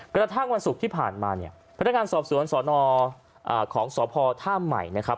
กระทั่งวันศุกร์ที่ผ่านมาพันธการสอบสวนสนของสพท่าหมาย